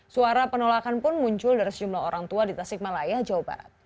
suara penolakan pun muncul dari sejumlah orang tua di tasikmalaya jawa barat